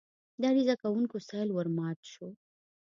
د عریضه کوونکو سېل ورمات شو.